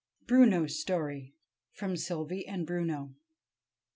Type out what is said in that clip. Bruno's Story [_From "Sylvie and Bruno."